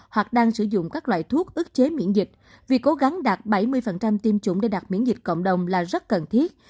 hoặc đang sử dụng các loại thuốc ước chế miễn dịch việc cố gắng đạt bảy mươi tiêm chủng để đạt miễn dịch cộng đồng là rất cần thiết